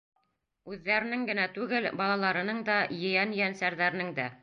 Үҙҙәренең генә түгел, балаларының да, ейән-ейәнсәрҙәренең дә...